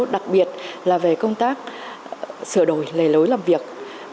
đặc biệt là về công tác sửa đổi lề lối làm việc